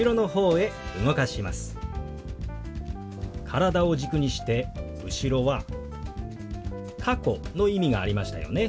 体を軸にして後ろは「過去」の意味がありましたよね。